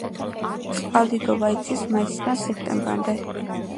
წყალდიდობა იცის მაისიდან სექტემბრამდე.